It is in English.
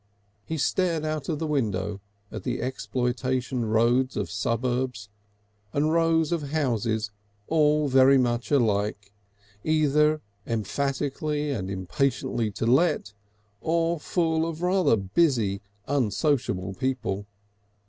He stared out of the window at the exploitation roads of suburbs, and rows of houses all very much alike, either emphatically and impatiently to let or full of rather busy unsocial people.